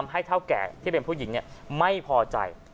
ให้เท่าแก่ที่เป็นผู้หญิงไม่พอใจ